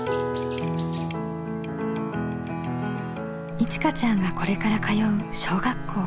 いちかちゃんがこれから通う小学校。